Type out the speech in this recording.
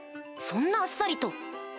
そんなあっさりと。